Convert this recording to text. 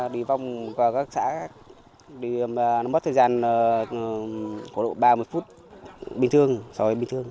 đi vòng vào các xã nó mất thời gian có độ ba mươi phút bình thường